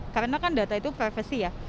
karena kan data itu privasi ya